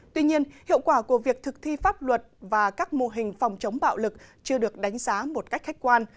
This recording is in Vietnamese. tuy nhiên hiệu quả của việc thực thi pháp luật và các mô hình phòng chống bạo lực chưa được đánh giá một cách khách quan